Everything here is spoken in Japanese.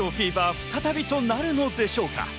再びとなるのでしょうか。